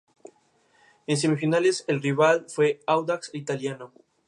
En semifinales, el rival fue Audax Italiano.